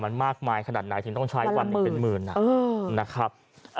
มันมากมายขนาดไหนถึงต้องใช้วันหนึ่งเป็นหมื่นนะครับ